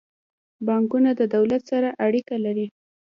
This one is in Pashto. بانکونه د دولت سره څه اړیکه لري؟